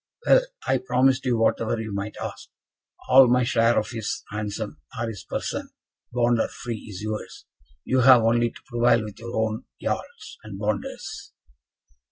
"Well, I promised you whatever you might ask. All my share of his ransom, or his person, bond or free, is yours. You have only to prevail with your own Jarls and Bonders."